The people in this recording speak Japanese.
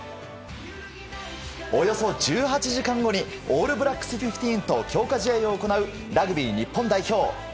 およそ１８時間後にオールブラックス・フィフティーンと強化試合を行うラグビー日本代表。